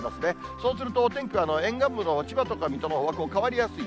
そうすると、お天気は沿岸部の千葉とか水戸の方向、変わりやすい。